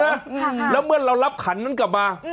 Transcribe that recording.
ใช่แล้วเมื่อเรารับขันกลับมา